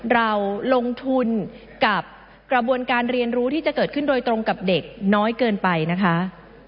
เราลงทุนกับกระบวนการเรียนรู้ที่จะเกิดขึ้นโดยตรงกับเด็กน้อยเกินไปนะคะ